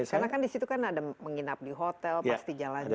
karena kan di situ kan ada menginap di hotel pasti jalan jalan